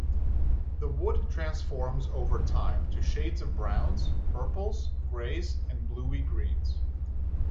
The wood transforms over time to shades of browns, purples, greys, and bluey-greens.